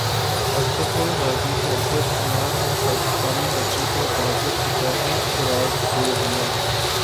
Ertugrul Ghazi کے عبدالرحمن نے پاکستانی بچوں کو بہادر سپاہی قرار دے دیا